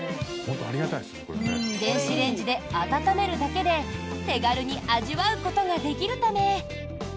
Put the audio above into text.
電子レンジで温めるだけで手軽に味わうことができるため。